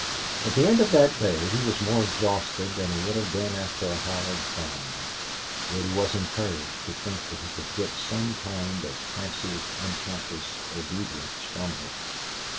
At the end of that day he was more exhausted than he would have been after a hard climb. Yet he was encouraged to think that he could get some kind of passive unconscious obedience from her.